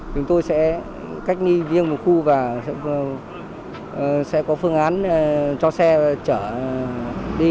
chúng tôi sẽ cách nghi viêng một khu và sẽ có phương án cho xe trở đi